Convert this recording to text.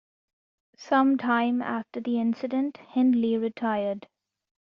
Sometime after the incident, Hindley retired.